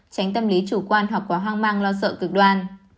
tránh tâm lý chủ quan hoặc có hoang mang lo sợ cực đoan